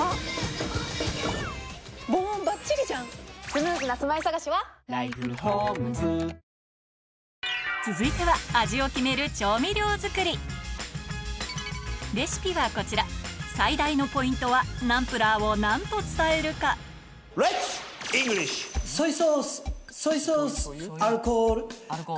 続いては味を決める続いては味を決めるレシピはこちら最大のポイントはナンプラーを何と伝えるかおいおい。